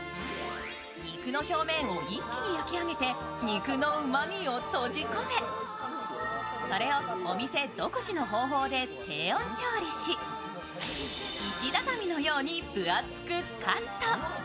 肉の表面を一気に焼き上げて、肉のうまみを閉じ込め、それをお店独自の方法で低温調理し、石畳のように分厚くカット。